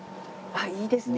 いいですね。